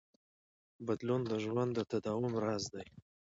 بدلون د ژوند د تداوم راز دی.